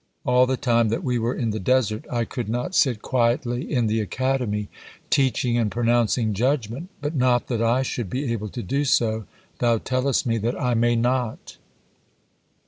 All the time that we were in the desert I could not sit quietly in the academy, teaching and pronouncing judgement, but not that I should be able to do so, Thou tellest me that I may not."